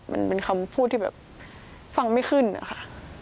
มันเป็นคำพูดที่แบบฟังไม่ขึ้นนะคะ